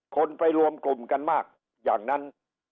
คนไปรวมกลุ่มกันมากอย่างนั้น